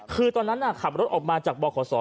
คือตอนนั้นขับรถออกมาจากบขศ